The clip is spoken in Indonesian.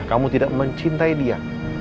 kamu tidak mencintai dia